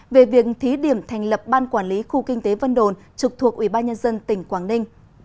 về việc thí điểm thành lập ban quản lý khu kinh tế vân đồn trục thuộc ubnd tỉnh quảng ninh